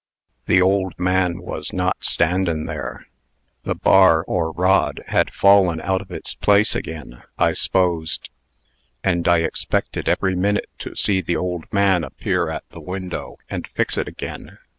The old man was not standin' there. The bar, or rod, had fallen out of its place again, I s'posed, and I expected every minute to see the old man appear at the window, and fix it again.